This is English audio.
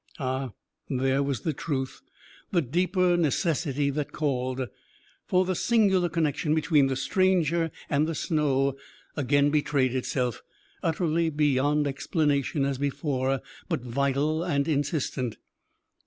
Ah, there was the truth, the deeper necessity that called. For the singular connection between the stranger and the snow again betrayed itself, utterly beyond explanation as before, but vital and insistent.